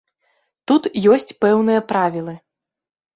Тут ёсць пэўныя правілы.